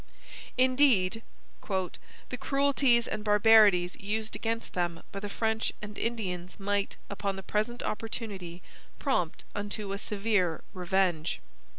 Indeed, 'the cruelties and barbarities used against them by the French and Indians might, upon the present opportunity, prompt unto a severe revenge.'